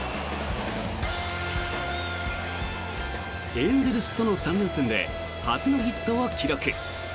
エンゼルスとの３連戦で初のヒットを記録。